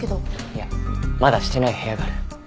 いやまだしてない部屋がある。